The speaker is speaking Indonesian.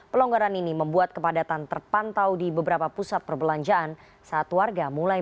pelonggaran ini membuat kepadatan terpantau di beberapa pusat perbelanjaan saat warga mulai